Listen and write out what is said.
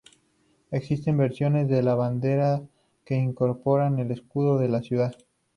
Existen versiones de la bandera que incorporan el escudo de la ciudad.